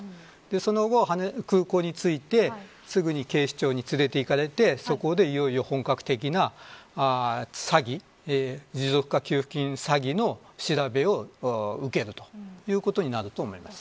その後、空港に着いてすぐに警視庁に連れて行かれてそこで、いよいよ本格的な持続化給付金詐欺の調べを受けるということになると思います。